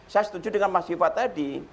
saya setuju dengan mas viva tadi